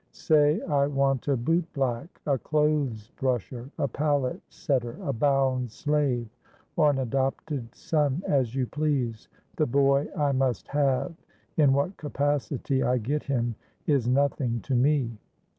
Say I want a boot black—a clothes brusher—a palette setter—a bound slave—or an adopted son, as you please. The boy I must have: in what capacity I get him is nothing to me."